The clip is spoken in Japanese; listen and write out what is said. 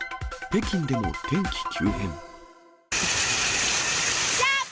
北京でも天気急変。